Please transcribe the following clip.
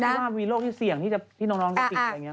ว่ามีโรคที่เสี่ยงที่พี่น้องจะติดอะไรอย่างนี้